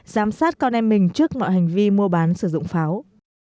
giám sát con em mình trước mọi hành vi mua bán sử dụng pháo